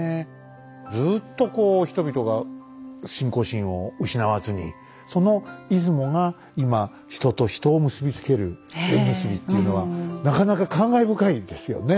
ずっとこう人々が信仰心を失わずにその出雲が今人と人を結び付ける縁結びっていうのはなかなか感慨深いですよね。